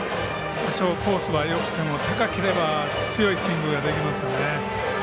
多少コースはよくても高ければ強いスイングができます